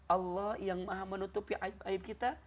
allah yang maha menutupi aib aib kita